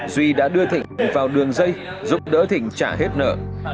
duy đã đưa thịnh vào đường dây giúp đỡ thịnh trả hết nợ